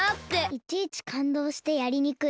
いちいちかんどうしてやりにくい。